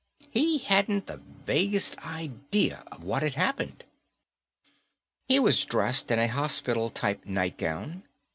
He hadn't the vaguest idea of what had happened. He was dressed in a hospital type nightgown.